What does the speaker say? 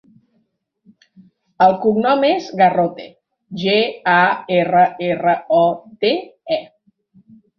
El cognom és Garrote: ge, a, erra, erra, o, te, e.